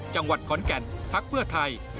จังหวัดขอนแก่นพักเพื่อไทย